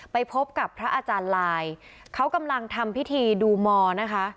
ไปพบกับพระอาจารย์ลายเขากำลังทำพิธีดูมอนะคะ